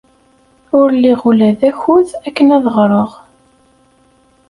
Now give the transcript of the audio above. Ur liɣ ula d akud akken ad ɣreɣ.